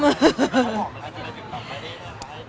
ไม่ได้เห็นน่าสิค่ะ